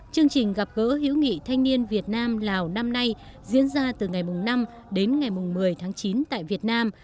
chương trình gặp gỡ hữu nghị thanh niên việt nam lào năm nay diễn ra từ ngày năm đến ngày một mươi tháng chín tại việt nam